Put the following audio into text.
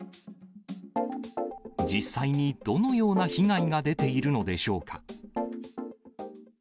実際にどのような被害が出ているのでしょうか。